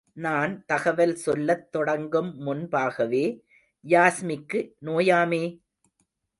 நான் தகவல் சொல்லத் தொடங்கும் முன்பாகவே, யாஸ்மிக்கு நோயாமே?